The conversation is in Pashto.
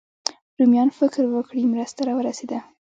رومیان فکر وکړي مرسته راورسېده.